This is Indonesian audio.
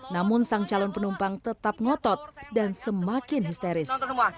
namun sang calon penumpang tetap ngotot dan semakin histeris